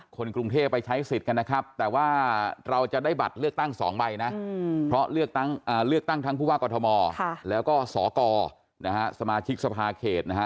คนกรุงเทพไปใช้สิทธิ์กันนะครับแต่ว่าเราจะได้บัตรเลือกตั้ง๒ใบนะเพราะเลือกตั้งเลือกตั้งทั้งผู้ว่ากอทมแล้วก็สกนะฮะสมาชิกสภาเขตนะฮะ